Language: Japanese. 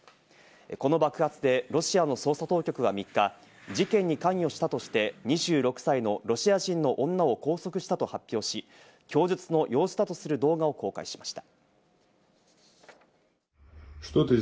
この爆発でロシアの捜査当局は３日、事件に関与したとして２６歳のロシア人の女を拘束したと発表し、供述の様子だとする動画を公開しました。